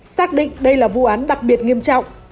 xác định đây là vụ án đặc biệt nghiêm trọng